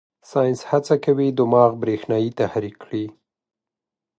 ساینس هڅه کوي دماغ برېښنايي تحریک کړي.